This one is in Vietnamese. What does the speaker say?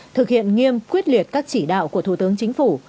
thực hiện nghiêm quyết liệt các chỉ đạo của thủ tướng chính phủ